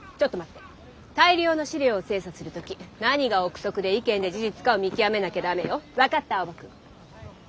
大量の資料を精査する時何が臆測で意見で事実かを見極めなきゃダメよ。分かった？